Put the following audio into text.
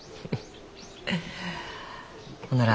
ほんなら。